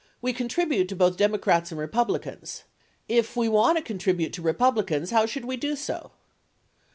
We contribute to both Democrats and Republicans. If we want to contribute to Republicans, how should we do so